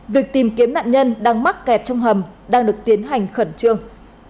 việc tìm kiếm nạn nhân đang mắc kẹt trong hầm đang được tiến hành khẩn trương